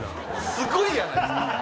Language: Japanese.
すごいやないですか。